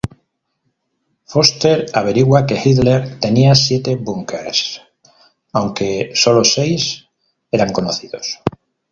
Foster averigua que Hitler tenía siete búnkeres, aunque solo seis eran conocidos.